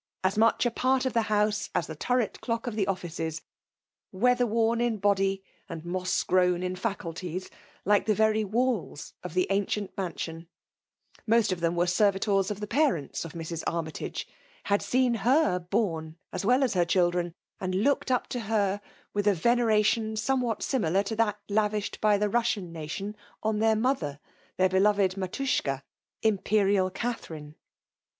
— ^As much a part ' of the house as the turret clock of the offices, ^weatherworn in body and moss grown in ik^ culties, like the very walls of the ancient man si6n: Most of them were servitors of tho^ patents of Mrs. Arknytage^ — had scerfAefbOhf 9Jb wdl afS her children ; and looked up toiler* with a veneration somewhat similar to ^tftlittt* lavidied by tho Russian nation on their mothen tfeir beloved ''mafouschka,*' Imperial* Oathe* • rnW.